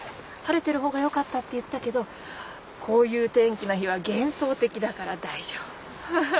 晴れてる方がよかったって言ったけどこういう天気の日は幻想的だから大丈夫。